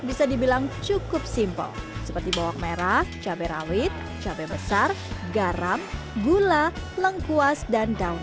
bisa dibilang cukup simpel seperti bawang merah cabai rawit cabai besar garam gula lengkuas dan daun